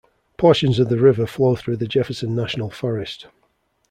Portions of the river flow through the Jefferson National Forest.